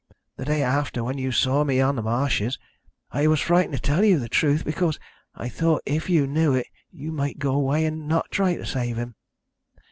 The day after, when you saw me on the marshes, I was frightened to tell you the truth, because I thought if you knew it you might go away and not try to save him."